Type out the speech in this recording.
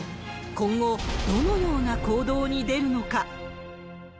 今後、どのような行動に出るのか。